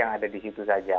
yang ada di situ saja